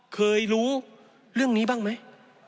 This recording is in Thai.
เคยรู้เรื่องนี้บ้างไหม